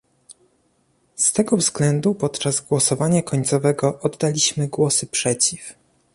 Z tego względu podczas głosowania końcowego oddaliśmy głosy przeciw